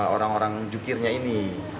orang orang jukirnya ini